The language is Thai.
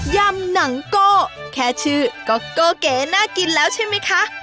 ำหนังโก้แค่ชื่อก็โกเก๋น่ากินแล้วใช่ไหมคะ